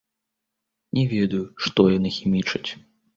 Не ведаю, што яны хімічаць.